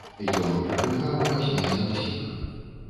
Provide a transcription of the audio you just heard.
Ён прыкульгаў пазней за ўсіх.